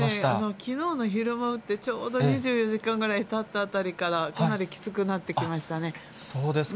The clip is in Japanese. きのうの昼間打って、ちょうど２４時間ぐらいたったあたりから、かなりきつくなってきそうですか。